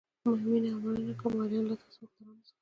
مینه او مننه کوم آرین له تاسو محترمو څخه.